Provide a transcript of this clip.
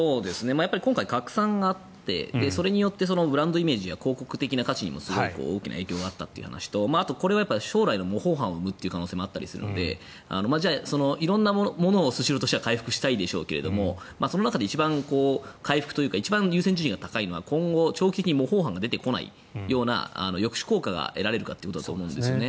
今回拡散があってそれによってブランドイメージや広告的な価値にもすごく大きな影響があったという話とあと、これは将来の模倣犯を生むという可能性もあったりするのでじゃあ、色んなものをスシローとしては回復したいでしょうけれどその中で一番回復というか一番優先順位が高いのは今後、長期的に模倣犯が出てこないような抑止効果が得られるかということだと思うんですね。